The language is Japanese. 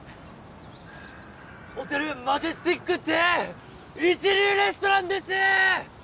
オテルマジェスティックってえ一流レストランです！